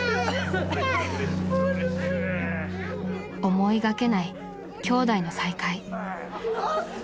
［思いがけないきょうだいの再会］